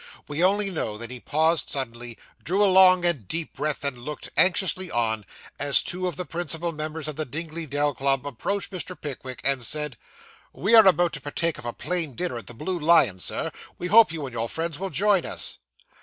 We only know that he paused suddenly, drew a long and deep breath, and looked anxiously on, as two of the principal members of the Dingley Dell club approached Mr. Pickwick, and said 'We are about to partake of a plain dinner at the Blue Lion, Sir; we hope you and your friends will join us.